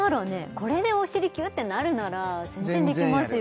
これでお尻キュッてなるなら全然できますよ